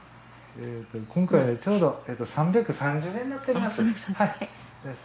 今回はちょうど３３０円になっております。